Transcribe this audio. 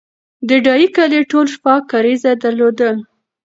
د ډایی کلی ټول شپږ کارېزه درلودل